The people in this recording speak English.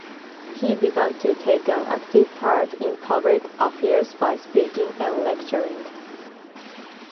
He began to take an active part in public affairs by speaking and lecturing.